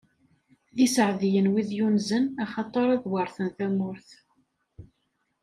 D iseɛdiyen, wid yunzen, axaṭer ad weṛten tamurt!